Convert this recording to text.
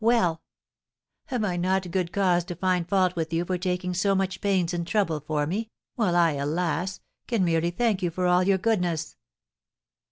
Well " "Have I not good cause to find fault with you for taking so much pains and trouble for me, while I, alas! can merely thank you for all your goodness?"